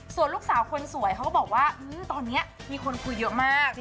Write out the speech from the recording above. ส่วนลูกสาวคนสวยเขาก็บอกว่าตอนนี้มีคนคุยเยอะมาก